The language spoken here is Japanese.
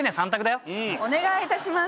お願い致します。